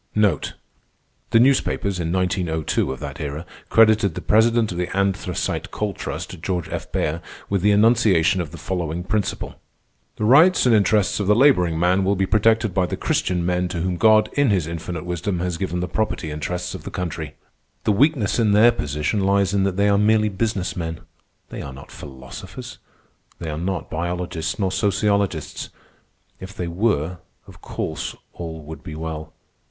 The newspapers, in 1902 of that era, credited the president of the Anthracite Coal Trust, George F. Baer, with the enunciation of the following principle: "_The rights and interests of the laboring man will be protected by the Christian men to whom God in His infinite wisdom has given the property interests of the country._" "The weakness in their position lies in that they are merely business men. They are not philosophers. They are not biologists nor sociologists. If they were, of course all would be well.